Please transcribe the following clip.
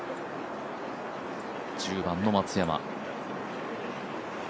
１０番の松山。